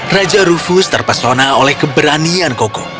raja rufus terpesona oleh keberanian koko